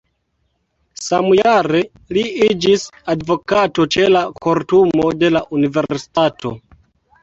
Samjare li iĝis advokato ĉe la kortumo de la universitato.